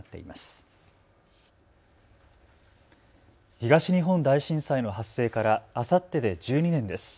東日本大震災の発生からあさってで１２年です。